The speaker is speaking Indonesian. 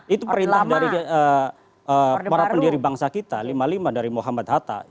itu perintah dari para pendiri bangsa kita lima puluh lima dari muhammad hatta